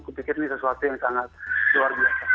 saya pikir ini sesuatu yang sangat luar biasa